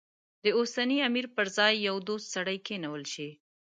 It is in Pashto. د اوسني امیر پر ځای یو دوست سړی کېنول شي.